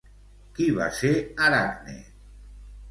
Qui va ser Aracne?